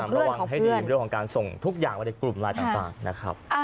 ระวังให้ดีเรื่องของการส่งทุกอย่างมาในกลุ่มไลน์ต่างนะครับ